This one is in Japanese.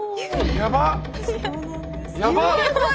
やばっ！